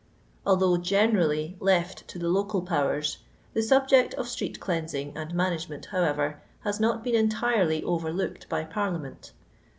Although generally left to the local powers, the subject of street^leansing and management, how ever, has not been entirety overlooked by Parlia ment.